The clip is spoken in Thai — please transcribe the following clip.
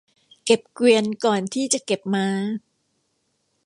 เก็บเกวียนก่อนที่จะเก็บม้า